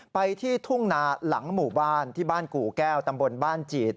ไปที่ทุ่งนาหลังหมู่บ้านที่บ้านกู่แก้วตำบลบ้านจีด